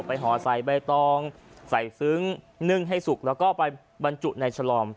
ห่อใส่ใบตองใส่ซึ้งนึ่งให้สุกแล้วก็ไปบรรจุในฉลอม